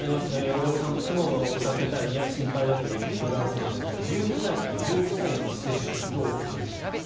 親御さんとしても、打たせたいいや心配だという声色々あると思いますが１２歳から１５歳への接種どう思いますか？